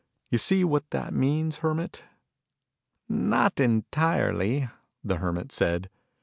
You see what that means, Hermit?" "Not entirely," the Hermit said.